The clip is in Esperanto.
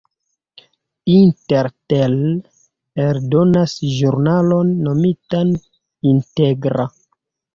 Intertel eldonas ĵurnalon nomitan "Integra".